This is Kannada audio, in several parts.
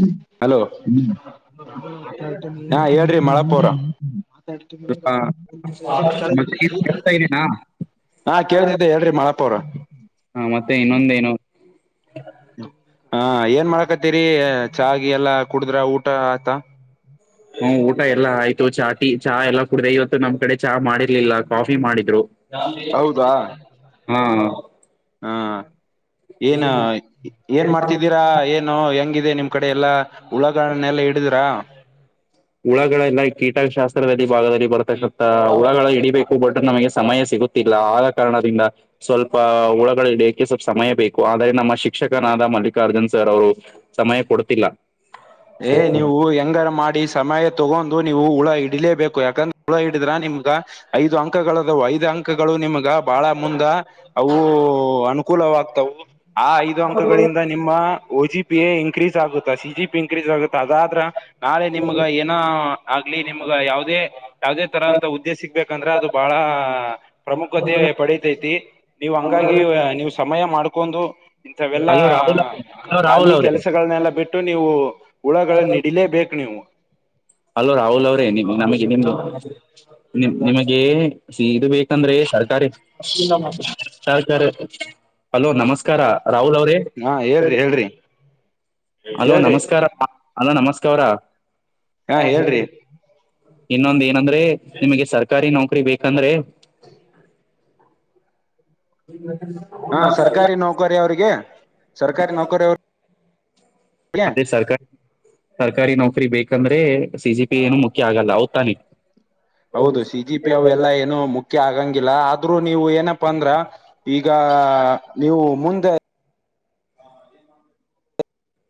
ಹ್ಮ್. ಹಲೋ ಹಲೋ ರಾಹುಲ್ ಅವ್ರೇ ಹಾ ಹೇಳ್ರಿ ಮಳಾಪೋರ ಸ್ವಲ್ಪ ಮತ್ತೆ ಏನ್ ಕೇಳ್ತಾ ಇದೀನಾ [unintelligible] ಹಾ ಕೇಳಳ್ತಿದ್ದೆ ಹೇಳ್ರಿ ಮಾಳಪ್ಪ ಅವ್ರ ಹಾ ಮತ್ತೆ ಇನ್ನೊಂದೇನು. ಹಾ ಏನ್ ಮಾಡಕತ್ತೀರಿ ಚಾ ಗಿ ಎಲ್ಲಾ ಕುಡುದ್ರಾ ಊಟಾ ಆಯಿತಾ ಹ್ಮ್ ಊಟ ಎಲ್ಲಾ ಆಯ್ತು ಚಾ ಟಿ ಚಾ ಎಲ್ಲಾ ಕುಡಿದೆ ಇವತ್ತು ನಮ್ ಕಡೆ ಚಾ ಮಾಡಿರ್ಲಿಲ್ಲಾ ಕಾಫಿ ಮಾಡಿದ್ರು ಕಾಫಿ ಹೌದಾ ಹ್ ಹಾ ಏನ್ ಏನ್ ಮಾಡ್ತಿದ್ದೀರಾ ಏನ್ ಏ ಹೆಂಗಿದೆ ನಿಮ್ ಕಡೆ ಎಲ್ಲಾ ಉಳಗಳನ್ನ ಎಲ್ಲಾ ಹಿಡದಿರಾ ಹುಳಗಳೆಲ್ಲ ಕೀಟಶಾಸ್ತ್ರದಲ್ಲಿ ಭಾಗದಲ್ಲಿ ಬರ್ತಕ್ಕತ್ತಾ ಹುಳಗಳ ಹಿಡಿಬೇಕು ಬಟ್ ನಮಗೆ ಸಮಯ ಸಿಗುತ್ತ ತಿಲ್ಲಾ ಆದ ಕಾರಣದಿಂದ ಸ್ವಲ್ಪ ಹುಳಗಳಹಿಡಿಯಕ್ಕೆ ಸ್ವಲ್ಪ ಸಮಯ ಬೇಕು ಆದ್ರೆ ನಮ್ಮ ಶಿಕ್ಷಕನಾದ ಮಲ್ಲಿಕಾರ್ಜುನ್ ಸರ್ ಅವರು ಸಮಯ ಕೊಡ್ತಿಲ್ಲಾ ಏ ನೀವು ಹೆಂಗಾರ ಮಾಡಿ ಸಮಯ ತಗೊಂಡು ನೀವು ಹುಳ ಹಿಡಲೇಬೇಕು ಯಾಕಂದ್ರೆ ಹುಳ ಹಿಡಿದ್ರೆ ನಿಮ್ಗ ಐದು ಅಂಕಗಳದವು ಐದ್ ಅಂಕಗಳು ನಿಮ್ಗ ಬಾಳ ಮುಂದ... ಅವು ಅನುಕೂಲವಾಗ್ತವು. ಆ ಐದು ಅಂಕಗಳಿಂದ ನಿಮ್ಮ ಓ ಜಿ ಪಿ ಎ ಇನ್ಕ್ರೀಸ್ ಆಗುತ್ತಾ ಸಿಜಿ ಪಿ ಇನ್ಕ್ರೀಸ್ ಆಗುತ್ತೆ ಅದಾದ್ರ ನಾಳೆ ನಿಮ್ಗ ಏನ ಆಗ್ಲಿ ನಿಮ್ಗ ಯಾವುದೇ ಯಾವದೇ ತರ ಅಂತಾ ಹುದ್ದೆ ಸಿಗ್ಬೇಕಂದ್ರೆ ಅದು ಬಾಳ ಪ್ರಮುಖ್ಯತೆ ಪಡಿತೈತಿ ನೀವು ಹಂಗಾಗಿ ನೀವು ಸಮಯ ಮಾಡ್ಕೊಂಡು ಇಂಥವೆಲ್ಲಾ ಹಲೋ ರಾಹುಲ್ ಅವ್ರೇ ಹಲೋ ಖಾಲಿ ರಾಹುಲ್ ಅವ್ರೇ ಕೆಲಸಾ ಗಳನ್ನೆಲ್ಲಾ ಬಿಟ್ಟು ನೀವು ಹುಳುಗಳನ್ನು ಹಿಡಿಲೇಬೇಕು ನೀವು. ಹಲೋ ರಾಹುಲ್ ಅವ್ರೇ ನಮಗೆ ನಿಮ್ದ ನಿ ನಿಮಗೆ ಇದು ಬೇಕಂದ್ರೆ ಸರ್ಕಾರ ಸರ್ಕಾ ಹಲೋ ನಮಸ್ ನಮಸ್ಕಾರ ರಾಹುಲ್ ಅವರೇ ಹಾ ಹೇಳ್ರಿ ಹೇಳ್ರಿ. ಹಲೋ ಹೇಳ್ರಿ ನಮಸ್ಕಾರಾ ಹಲೋ ನಮಸ್ಕಾರಾ ಹಾ, ಹೇಳ್ರಿ ಇನ್ನೊಂದ ಏನಂದ್ರೆ ನಿಮಗೆ ಸರ್ಕಾರಿ ನೌಕರಿ ಬೇಕಂದ್ರೆ. [unintelligible] ಹಾ ಸರ್ಕಾರಿ ನೌಕರಿ ಅವ್ರಿಗೆ ಸರ್ಕಾರಿ ನೌಕರಿ ಅವ್ರ ಅದೇ ಸರ್ಕ ಸರ್ಕಾರಿ ನೌಕರಿ ಬೇಕಂದ್ರೆ ಸಿಜಿ ಪಿ ಏನು ಮುಖ್ಯ ಆಗಲ್ಲ ಹೌದುತಾನೆ ಹೌದು ಸಿ ಜಿ ಪಿ ಅವೆಲ್ಲಾ ಏನು ಮುಖ್ಯ ಆಗಂಗಿಲ್ಲಾ ಆದ್ರೂ ನೀವು ಏನಪ್ಪ ಅಂದ್ರ ಈಗ ನೀವು ಮುಂದ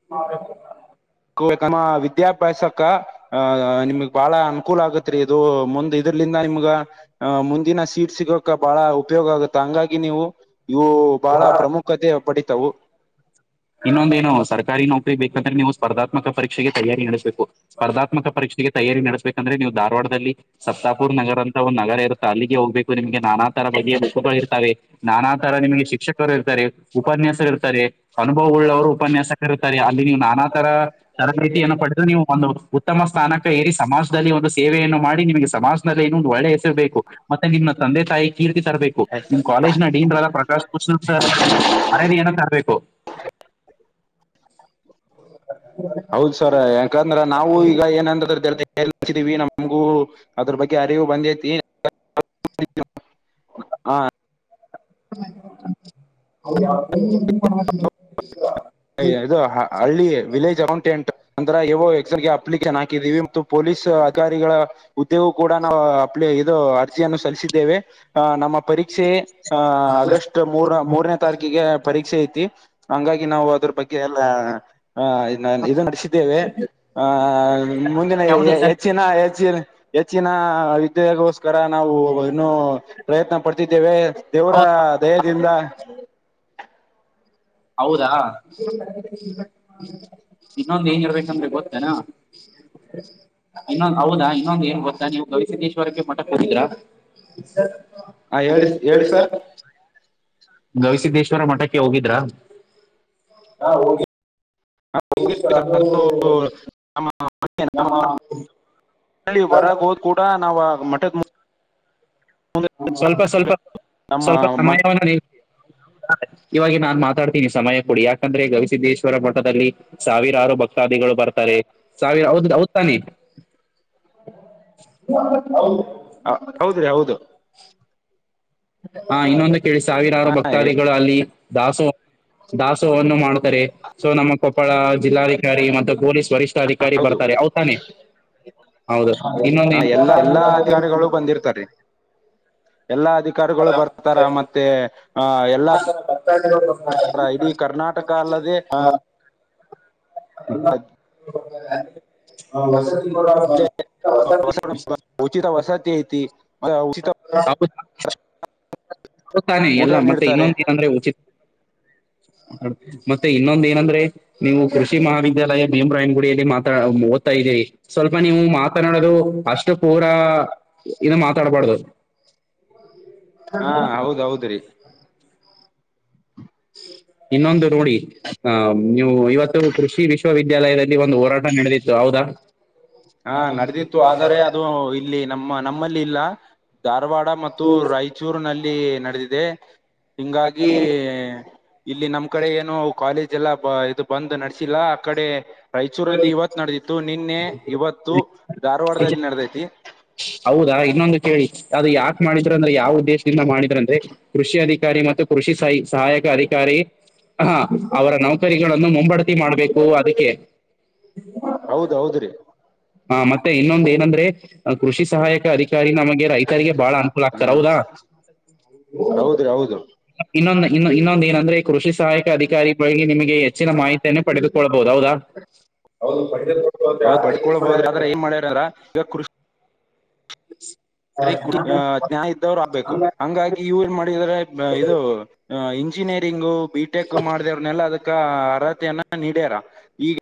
[unintelligible] ಕುವೇಕಾನ ವಿದ್ಯಾಭ್ಯಾಸಕ ಆಹ ನಿಮಗ್ ಬಾಳ ಅನುಕೂಲ ಆಗತ್ರಿ ಇದು ಮುಂದ್ ಇದರ್ಲಿಂದ ನಿಮ್ಗ ಅಹ ಮುಂದಿನ ಸೀಟ್ ಸಿಗೋಕ ಬಹಳ ಉಪಯೋಗ ಆಗುತ್ತೆ ಹಂಗಾಗಿ ನೀವು ಇವು ಬಹಳ ಪ್ರಮುಖತೆ ಪಡಿತಾವು ಇನ್ನೊಂದೇಏನು ಸರ್ಕಾರಿ ನೌಕರಿ ಬೇಕಂದ್ರೆ ನೀವು ಸ್ಪರ್ಧಾತ್ಮಕ ಪರೀಕ್ಷೆಗೆ ತಯಾರಿ ನಡೆಸ್ಬೇಕು ಸ್ಪರ್ಧಾತ್ಮಕ ಪರೀಕ್ಷೆಗೆ ತಯಾರಿ ನಡೆಸ್ಬೇಕಂದ್ರೆ ನೀವು ಧಾರವಾಡದಲ್ಲಿ ಸತಾಪುರ್ ನಗರ ಅಂತ ಒಂದ್ ನಗರ ಇರುತ್ತೆ ಅಲ್ಲಿಗೆ ಹೋಗ್ಬೇಕು ನಿಮ್ಗೆ ನಾನಾ ತರ ಬಗೆಿಯ ಮುಖುಗಳು ಇರ್ತಾವೆ ನಾನಾ ತರ ನಿಮ್ಗೆ ಶಿಕ್ಷಕರು ಇರ್ತಾರೆ ಉಪನ್ಯಾಸರು ಇರ್ತಾರೆ ಅನುಭವ ಉಳ್ಳವರು ಉಪನ್ಯಾಸಕ ಇರುತಾರೆ ಅಲ್ಲಿ ನೀವುನಾನಾ ತರ ತರಬೇತಿಯನ್ನು ಪಡೆದು ನೀವು ಒಂದು ಉತ್ತಮ ಸ್ಥಾನಕ್ಕೆ ಏರಿ ಸಮಾಜದಲ್ಲಿ ಒಂದು ಸೇವೆಯನ್ನು ಮಾಡಿ ನಿಮಗೆ ಸಮಾಜದಲ್ಲಿ ನೊಂದು ಒಳ್ಳೆ ಬೇಕು ಮತ್ತೆ ನಿಮ್ಮ್ ತಂದೆ ತಾಯಿ ಕೀರ್ತಿ ತರಬೇಕು ನಿಮ್ ಕಾಲೇಜ್ ನ ಡೀನ್ಲ್ಲ ಪ್ರಕಾಶ್ ಪುಸ್ತಕ್ ಮರಿಯಾದೆ ಯನ್ನು ತರ ರ್ಬೇಕು ಹೌದ ಸರ್ ಯಾಕಂದ್ರ ನಾವು ಈಗ ಏನಂದರ್ತಿವಿ ಹಚ್ಚಿದೀವಿ ನಮಗೂ ಅದ್ರ ಬಗ್ಗೆ ಅರಿವು ಬಂದೈತಿ ನಿತ್ಯವು [unintelligible] ಇದು ಹಳ್ಳಿ ವಿಲೇಜ್ ಅಕೊಂಟೆಂಟ ಅಂತರ ಯೋ ಎಕ್ಸನ್ಗೆ ಅಪ್ಲಿಕೇಶನ್ ಹಾಕಿದೀವಿ ಮತ್ತು ಪೊಲೀಸ್ ಅಧಿಕಾರಿಗಳ ಹುದ್ದೆಗೂ ಕೂಡ ನಾವು ಅಪ್ ಇದು ಅರ್ಜಿಯನ್ನು ಸಲ್ಲಿಸಿದ್ದೇವೆ ಆ ನಮ್ಮ ಪರೀಕ್ಷ ಕ್ಷೆ ಆ ಆಗಸ್ಟ್ ಮೂರ್ ಮೂರನೇ ತಾರೀಕಿಗೆ ಪರೀಕ್ಷೆ ಐತಿ ಹಂಗಾಗಿ ನಾವು. ಇದ್ರು ಬಗ್ಗೆ ಎಲ್ಲ ಅ ಇದ್ನ ಇದು ನಡೆಸಿದ್ದೇವೆ ಆ. ಮುಂದಿನ ಯಾವುದು ಸರ್ ಹೆಚ್ಚಿನ ಹೆಚ್ಚಿ ಹೆಚ್ಚಿನ ವಿದೆಗೋಸ್ಕರ ನಾವು ಇನ್ನು ಪ್ರಯತ್ನ ಪಡ್ತಿದ್ದೇವೆ ದೇವರ ಹೌದಾ ದೇಯದಿಂದ ಹೌದಾ ಇನ್ನೊಂದ ಏನ ಯಿರರ್ಬೇಕಂದ್ರೆ ಗೊತ್ತೇನಾ ಇನ್ನೊಂದ್ ಹೌದಾ ಇನ್ನೊಂದ ಏನ್ ಗೊತ್ತಾ ನೀವು ಗವಿಸಿದ್ದೇಶ್ವರಕ್ಕೆ ಮಠಕ್ಕೆ ಬಂದಿದ್ರಾ ಹೇಳಿ ಹೇಳಿ ಸರ್ [inaudible] ನವಿಸಿದ್ದೇಶ್ವರ ಮಠಕ್ಕೆ ಹೋಗಿದ್ರಾ ಹಾ ಹೋಗಿ [inaudible] ಅದು ನಮ್ಮ ನಮ್ಮ ಬಗ್ಗೆ ಹೊರಗೆ ಹೋದ್ ಕೂಡ ನಾ ಮಠ ಮುಂದ ಸ್ವಲ್ಪ ಸ್ವಲ್ಪ ನಮ್ಮ ಸ್ವಲ್ಪ ಮಠ ಸಮಯವವನ್ನು ನೀ [inaudible] ಇವಾಗಿನ್ ನಾನ್ ಮಾತಾಡ್ತೀನಿ ಸಮಯ ಕೊಡಿ ಯಾಕಂದ್ರೆ ಗವಿಸಿದ್ದೇಶ್ವರ ಮಠದಲ್ಲಿ. ಸಾವಿರಾರು ಭಕ್ತಾದಿಗಳು ಬರುತಾರೇ ಸಾವಿ ಹೌದ್ ಹೌದ್ ತಾನೇ. [inaudible] ವ ಹೌದು. ಹ ಹೌದ್ರೀ ಹೌದು. ಹಾ ಇನ್ನೊಂದು ಕೇಳಿ ಸಾವಿರಾರು ಹಾ ಎ- ಭಕ್ತಾದಿಗಳು ಅಲ್ಲಿ ದಾಸೋ.. ದಾಸೋವನ್ನು ಮಾಡುತ್ತರೆ ಸೊ ನಮ್ಮ ಕೊಪ್ಪಳ ಜಿಲ್ಲ.. ಧಿಕಾರಿ ಮತ್ತ್ ಪೊಲೀಸ್ ವರಿಷ್ಠ ಅಧಿಕಾರಿ ಹೌದು ಬರುತ್ತಾರೆ ಅವ್ ತ್ತಾನೆ. ಹೌದ್ ಇನ್ನೊಂದ್ ಎನ್ ಪ. ಬಂದಿರ್ ತ್ತಾರೆ ಎಲ್ಲಾ ಅಧಿಕಾರ್ ಗಳು ಬರ್ ತಾರಾ ಮತ್ತೆ. ಆ ಎಲ್ಲ ಅ ಇಡೀ ಕರ್ನಾಟಕ ಅಲ್ಲದೆ ಅ. [unintelligible] ಅ ವಾಸದ್. ಇಲ್ಲೆ ವಸ [unintelligible] ಉಚಿತ ವಸತಿ ಐತಿ [unintelligible] ದಾಬುದ್ [unintelligible] ಹೌದ್ ತಾನೆ ಊಟ ಎಲ್ಲ ಮತ್ತೆ ನೀಡ್ತಾರೆ ಇನ್ನೊಂದ್ ದಿನ ಅಂದ್ರೆ ಉಚಿತ. [inaudible] ಮಡ್ ಮತ್ತೆ ಇನ್ನೊಂದ್ ಏನಂದ್ರೆ. ನೀವು ಕೃಷಿ ಮಹಾವಿದ್ಯಾಲಯ ಭೀಮ್ ರಾಯ್ನ್ ಗುಡಿಯಲ್ಲಿ ಮಾತ್ರಾ ಓದ್ತಾ ಇದ್ದೀರಿ. ಸ್ವಲ್ಪ ನೀವು ಮಾತನಾಡೋದು ಅಷ್ಟು ಪೂರ ಇನಾ ತಡ್ ಬಡ್ದು. ಹಾ ಹೌದ್ ಹೌದ್ ರಿ. ಇನ್ನೊಂದು ರೂಡಿ. ಹಮ್ ನೀವು ಇವತ್ತು ಕೃಷಿ ವಿಶ್ವವಿದ್ಯಾಲಯದಲ್ಲಿ ಒಂದು ಹೋರಾಟ ನಡೆದಿತ್ತು ಹೌದಾ. ಹಾ ನಡೆದಿತ್ತು ಆದರೆ ಅದು ಇಲ್ಲಿ ನಮ್ಮ ನಮ್ಮಲ್ಲಿ ಇಲ್ಲ ಧಾರವಾಡ ಮತ್ತು ರಾಯಚ ಚೂರಿನಲ್ಲಿ ನಡೆದಿದೆ ಹಿಂಗಾಗಿ ಇ ಇಲ್ಲಿ ನಮ್ ಕಡೆ ಏನು ಕಾಲೇಜ್ ಎಲ್ಲ ಇದು ಬಂದ್ ನಡೆಸಿಲ್ಲ ಆ ಕಡೆ ರಾಯಚೂರಲ್ಲಿ ಇವತ್ತು ನಡೆದಿತ್ತು ನಿನ್ನೆ ಇವತ್ತು ಧಾರವಾಡದಲ್ಲಿ ನಡೆದೈತಿ. ಹೌದಾ ಇನ್ನೊಂದ್ ಕೇಳಿ ಅದು ಯಾಕ್ ಮಾಡಿದ್ರ ಅಂದ್ರೆ ಯಾವ ಉದ್ದೇಶದಿಂದ ಮಾಡಿದ್ರ ಅಂದ್ರೆ ಕೃಷಿ ಅಧಿಕಾರಿ ಮತ್ತು ಕೃಷಿ ಸಯ್ ಸಹಾಯಕ ಅಧಿಕಾರಿ. ಹಾ ಅವರ ನೌಕರಿಗಳನ್ನು ಮುಂಬ್ ಬಡತಿ ಮಾಡ್ಬೇಕು ಅದಕ್ಕೆ. [unintelligible] ಹೌದ್ ಹೌದ್ರಿ. ಹ ಮತ್ತೆ ಇನ್ನೊಂದ್ ಏನಂದ್ರೆ ಅ ಕೃಷಿ ಸಹಾಯಕ ಅಧಿಕಾರಿ ನಮಗೆ ರೈತರಿಗೆ ಬಾಳ ಅನುಕೂಲ ಆಗ್ತಾರಾ ಹ್ಮ ಹೌದಾ [unintelligible] ಹೌದ್ರಿ ಹೌದು ಇನ್ನೊಂದ್ ಇನ್ ಇನ್ನೊಂದ್ ಏನಂದ್ರೆ ಕೃಷಿ ಸಹಾಯಕ ಅಧಿಕಾರಿಗಳಿಗೆ ನಿಮಗೆ ಹೆಚ್ಚಿನ ಮಾಹಿತಿ. ತೆನ್ನು ಪಡೆದುಕೊಳ್ಬಹುದು ಹೌದಾ ಹೌದು ಪಡೆದು ಕೊ ಹೌದ್ ಪಡ್ಕಳ್ಬಹದ್ರಿ ಆದ್ರೆ ಏನ್ ಮಾಡ್ಯಾರ [unintelligible] ಕೃಷಿ ಹ [unintelligible] ಸರಿ ಕುಡಿ ಹಾ ನ್ಯಾಯ ಇದ್ದವ್ರು ಆಗ್ಬೇಕು ಹಂಗಾಗಿ ಇವ್ರ್ ಮಾಡಿದರೆ ಹಾ ಇದು ಅ ಇಂಜಿನಿಯರಿಂಗು ಬಿಟೆಕು ಮಾಡಿದಅವರ್ನೆಲ್ಲ ಅದಕ್ ಕ ಅರ್ಹತೆಯನ್ನ ನಿಡ್ಯಾರ ಇಗ್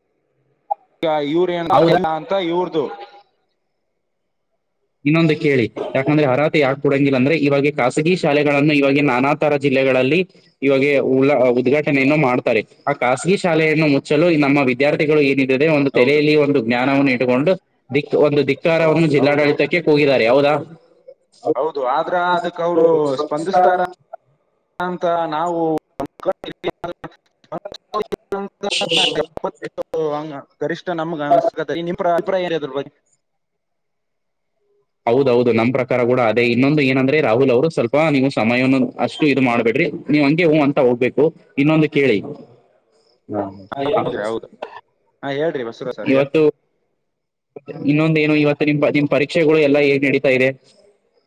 [unintelligible] ಇವ್ರೆನ್ [unintelligible] ಹೌದಾ ತ್ತ ಇವ್ರದು. ಇನ್ನೊಂದು ಕೇಳಿ ಯಾಕಂದ್ರೆ ಅರಹತೆ ಯಾಕೆ ಕೊಡಂಗಿಲ್ಲ ಅಂದ್ರೆ ಇವಾಗಿ ಖಾಸಗಿ ಶಾಲೆಗಳನ್ನು ಇವಾಗಿನ್ ನಾನಾ ತರ ಜಿಲ್ಲೆಗಳಲ್ಲಿ ಇವಾಗೆ ಉಳಾ ಉದ್ಘಾಟನೆಯನ್ನು ಮಾಡ್ತಾರೇ ಆ ಖಾಸಗಿ ಶಾಲೆಯನ್ನು ಮುಚ್ಚಲು ನಮ್ಮ ವಿದ್ಯಾರ್ಥಿಗಳು ಇಡಿಡದೆ ಒಂದು ಹೌದು ತೆಲೆಯಲ್ಲಿ ಒಂದು ಜ್ಞಾನವನ್ನು ಇಟ್ಟುಕೊಂಡು ದಿಕ್ ಒಂದು ಹೌದು ದಿಕ್ಕಾರವನ್ನು ಜಿಲ್ಲಾಡಳಿತ ಹೌದೌದು ಕೆ ಕೊಗಿದ್ದಾರೆ ಹೌದ ಹೌದು ಆದ್ರ ಅದಕ್ ಅವರು ಸ್ಪಂದಿಸ್ತಾರ [unintelligible] ಅಂತ ನಾವು [unintelligible] [unintelligible] [unintelligible] ಹ ಗರಿಷ್ಠ ನಮ್ಗ ಅನ್ಸ್ [unintelligible] ಹೌದ್ ಹೌದ್ ನಮ್ ಪ್ರಕಾರ ಕೂಡ ಅದೇ ಇನ್ನೊಂದು ಏನಂದ್ರೆ ರಾಹುಲ್ ಅವರು ಸ್ವಲ್ಪ ನೀವು ಸಮಯನನ್ನು ಅಷ್ಟು ಇದು ಮಾಡ್ಬೇಡ್ರಿ ನೀವ್ ಹಂಗೆ ಹೂ ಅಂತ ಹೋಗ್ಬೇಕು ಇನ್ನೊಂದು ಕೇಳಿ ಹಾ ಹೌದೌದ್ರಿ ಹೌದು ಹಾ ಹೇಳ್ರಿ ಬಸವರಾಜ್ ಅವ್ರೆ ಇನ್ನೊಂದೇನು ಇವತ್ತು ನಿಮ ನಿಮ್ ಪರೀಕ್ಷೆಗಳು ಎಲ್ಲಾ ಹೇಗ್ ನಡೀತಾ ಇದೆ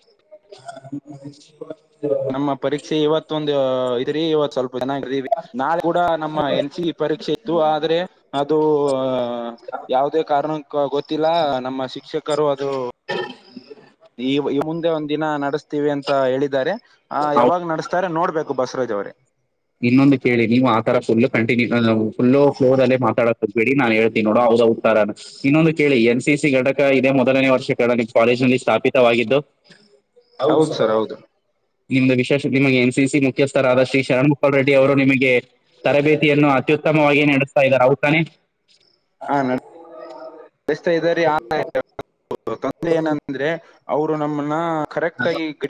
[unintelligible] ನಮ್ಮ ಪರೀಕ್ಷೆ ಇವತ್ತು ಒಂದು ಇದ್ರಿ ಇವತ್ ಸ್ವಲ್ಪ ದೀವಿ ನಾಳೆ ಕೂಡ ನಮ್ಮ ಎನ್ ಸಿ ಪರೀಕ್ಷೆ ಇತ್ತು ಆದ್ರೆ ಅದು ಯಾವುದೇ ಕಾರಣ ಗೊತ್ತಿಲ್ಲ ನಮ್ಮ ಶಿಕ್ಷಕರು ಅದು [inaudible] ಈ ಮುಂದೆ ಒಂದ್ ದಿನ ನಡಸ್ತೀವಿ ಅಂತ ಹೇಳಿದ್ದಾರೆ ಆ ಯಾವಾಗ್ ನಡೆಸ್ತಾರೆ ನೋಡ್ಬೇಕು. ಬಸರಾಜ್ ಅವ್ರೇ ಇನ್ನೊಂದು ಕೇಳಿ ನೀವು ಆತರ ಫುಲ್ಲ ಕಂಟನ್ಯೂ ಫುಲ್ಲ ಫಲೋರ್ ಅಲ್ಲೆ ಮಾತಾಡಬೇಡಿ ನಾನ್ ಹ ನೋಡ ಹ ಉತ್ತರನಾ ಇನ್ನೊಂದು ಕೇಳಿ ಎನ್. ಸಿ. ಸಿ ಘಟಕ ಇದೇ ಮೊದಲನೇ ವರ್ಷ ಕ ಕಾಲೇಜ್ನಲ್ಲಿ ಸ್ಥಾಪಿತವಾಗಿದ್ದು. ಹೌದು ಸರ್ ಹೌದು ನಿಮ್ದ ವಿಶೇಷ ನಿಮಗೆ ಎನ್. ಸಿ. ಸಿ ಮುಖ್ಯಸ್ಥರ ಶ್ರೀ ಶರಣ್ ರೆಡ್ಡಿ ಅವರು ನಿಮಗೆ ತರಬೇತಿಯನ್ನು ಅತ್ಯುತ್ತಮವಾಗಿ ನಡೆಸ್ತಾ ಇದ್ದಾರೆ ಅವ್ದ್ ತಾನೆ. ಹಾ ನಷ್ಟತ ಇದ್ದಾರೆ [unintelligible] ಆ ತಂದೆ ಏನಂದ್ರೆ ಅವರು ನಮ್ಮನ್ನ ಕರೆಕ್ಟ್ ಆಗಿ ಗ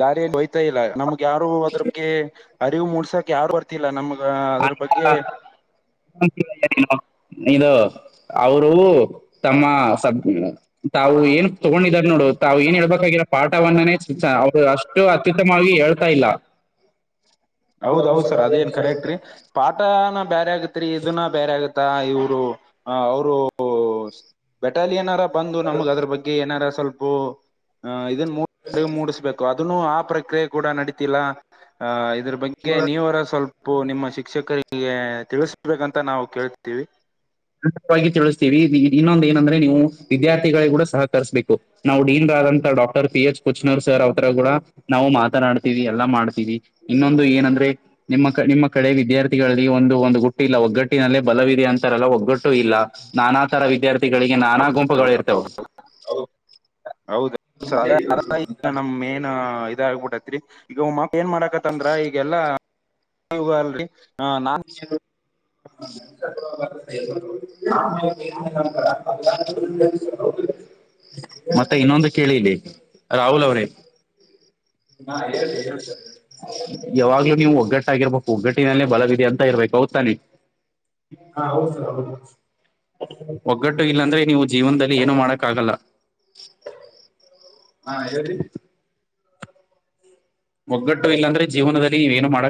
ದಾರಿಯಲ್ಲಿ ಹಯ್ತಾ ಇಲ್ಲ ನಮ್ಗೆ ಯಾರು ಅದ್ರ ಬಗ್ಗೆ [inaudible] ಅರಿವು ಮೂಡ್ಸಾಕ್ ಯಾರು ಬರ್ತಿಲ್ಲ ನಮ್ಗ ಅದ್ರ ಆಯ್ತಾ ಬಗ್ಗೆ ಇದು ಅವರು ತಮ್ಮ ಸಭ [inaudible] ತಾವು ಏನ್ ತಗೊಂಡಿದಾರ ನೋಡು ತಾವು ಏನ್ ಹೇಳ್ಬೇಕಾಗಿರ ಪಾಠ ಒನ್ ಚಾ ಅವ್ರು ಅಷ್ಟು ಅತ್ಯುತ್ತಮವಾಗಿ ಹೇಳ್ತಾ ಇಲ್ಲ ಹೌದೌದು ಸರ್ ಅದೇನ್ ಕರೆಕ್ಟ್ ರೀ ಪಾಠನಾ ಬೇರೆ ಆಗತ್ರಿ ಇದನ್ನ ಬೇರೆ ಆಗತ್ತ ಇವ್ರು ಅ ಅವರು ಬೇಟಾಲಿಯನ್ ಹೇನಾರ ಬಂದು ನಮಗ್ ಅದ್ರ ಬಗ್ಗೆ ಏನಾರ ಸ್ವಲ್ಪ ಇದ ಮೂಡ್ ಅಡವು ಮೂಡಿಸ್ಬೇಕು ಅದನ್ನು ಆ ಪ್ರಕ್ರಿಯೆ ಕೂಡ ನಡೀತಿಲ್ಲ ಆ ಇದ್ರ ಬಗ್ಗೆ ನೀವರ ಸ್ವಲ್ಪ ನಿಮ್ಮ ಶಿಕ್ಷಕರಿಗೆ ತಿಳಿಸಬೇಕಂತ ನಾವು ಕೇಳ್ತೀವಿ ಸವಾಗಿ ತಿಳಿಸ್ತೀವಿ ಇನ್ನೊಂದು ಏನಂದ್ರೆ ನೀವು ವಿದ್ಯಾರ್ಥಿಗಳಿಗೆ ಕೂಡ ಸಹಕರಿಸ್ಬೇಕು ನಾವು ಡೀನ್ರಾದಂತ doctor P. H Kuchanur sir ಅವತ್ರ ಕೂಡ ನಾವು ಮಾತನಾಡ್ತೀವಿ. ಎಲ್ಲಾ ಮಾಡ್ತೀವಿ ಇನ್ನೊಂದು ಏನಂದ್ರೆ? ನಿಮ್ಮ ನಿಮ್ಮ ಕಡೆ ವಿದ್ಯಾರ್ಥಿಗಳಲ್ಲಿ ಒಂದು ಒಂದು ಗುಟ್ಟಿ ಇಲ್ಲ ಒಗ್ಗಟ್ಟಿನಲ್ಲೇ ಬಲವಿದೆ ಅಂತಾರಲ್ಲ ಹೋಗುದು ಗಟ್ಟು ಇಲ್ಲ ನಾನಾ ತರ ವಿದ್ಯಾರ್ಥಿಗಳಿಗೆ ನಾನಾ ಹೌದು ಗುಂಪುಗಳು ಇರ್ತವೆ. ಹೌದ ಅ ಈಗ [inaudible] ನಮ್ ಮೇನ್ ಇದ ಆಗಬಿಟ್ಟೈ ತ್ ಈಗ ಏನ್ [inaudible] ಮಾಡಾಕತ್ತಂದ್ರ ಈಗಲ್ಲಾ ಅಲ್ರಿ ನಾ [inaudible] [inaudible] ಅ [inaudible] ಮತ್ತೆ ಇನ್ನೊಂದು ಕೇಳಿ ಇಲ್ಲಿ ರಾಹುಲ್ ಅವ್ರೇ ಹಾ ಹೇಳಳ್ತ ಹೇಳ್ತ ಯಾವಾಗ್ಲೂ ನೀವು ಒಗ್ಗಟ್ಟಾಗಿರ್ಬೇಕು ಒಗ್ಗಟ್ಟಿನಲ್ಲೇ ಬಲವಿದೆ ಅಂತ ಇರ್ಬೇಕು ಹೌದ್ ತಾನೆ ಹಾ ಹೌದು ಸರ್ ಹೌದು ಒಗ್ಗಟ್ಟು ಇಲ್ಲಾಂದ್ರೆ ನೀವು ಜೀವನದಲ್ಲಿ ಏನು ಮಾಡಕ್ಕ ಆಗಲ್ಲ ಹ [inaudible] ಹಾ ಹೇಳಿ ರೀ ಒಗ್ಗಟ್ಟು ಇಲ್ಲಂದ್ರೆ ಜೀವನದಲ್ಲಿ ಏನು ಮಾಡ